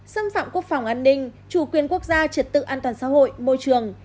xâm phạm quốc phòng an ninh chủ quyền quốc gia trật tự an toàn xã hội môi trường